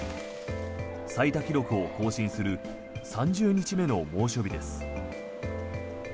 最多記録を更新する３０日目の猛暑日です。